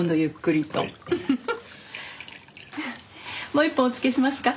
もう一本おつけしますか？